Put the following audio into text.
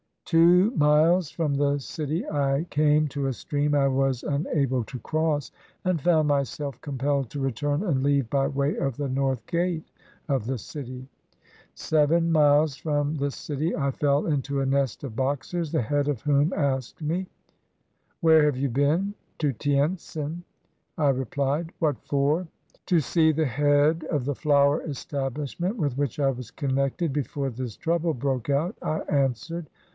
Two miles from the city I came to a stream I was unable to cross, and found myself compelled to return and leave by way of the North Gate of the city. Seven miles from the city I fell into a nest of Boxers, the head of whom asked me, — "Where have you been?" "To Tientsin," I replied. "What for?" "To see the head of the flower establishment with which I was connected before this trouble broke out," I answered.